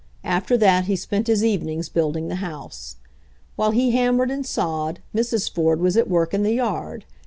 After that he spent his evenings building the house. While he hammered and sawed Mrs. Ford was at work in the yard.